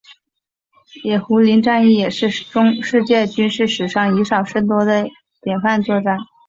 野狐岭战役也是世界军事史上以少胜多典范作战。